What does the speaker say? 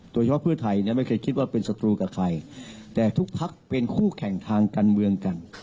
โดยเฉพาะเพื่อไทยเนี่ยไม่เคยคิดว่าเป็นศัตรูกับใครแต่ทุกพักเป็นคู่แข่งทางการเมืองกัน